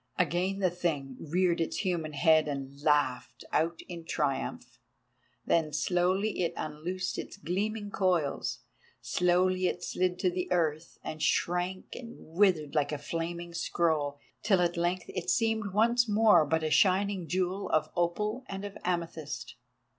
Again the Thing reared its human head and laughed out in triumph. Then slowly it unloosed its gleaming coils: slowly it slid to the earth and shrank and withered like a flaming scroll, till at length it seemed once more but a shining jewel of opal and of amethyst.